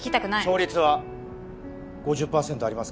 勝率は５０％ありますか？